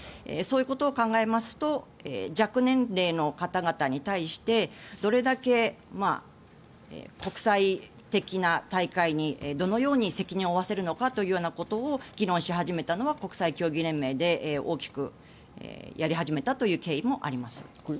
そういうことを考えますと若年齢の方々に対してどれだけ国際的な大会にどのように責任を負わせるのかということを議論し始めたのは国際競技連盟で大きくやり始めたという経緯もあります。